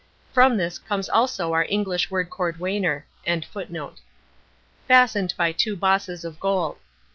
From this comes also our English word cordwainer.] fastened by two bosses of gold.